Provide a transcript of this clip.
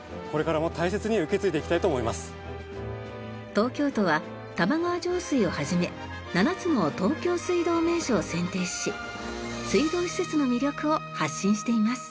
東京都は玉川上水を始め７つの東京水道名所を選定し水道施設の魅力を発信しています。